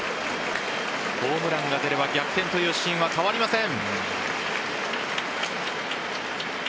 ホームランが出れば逆転というシーンは変わりません。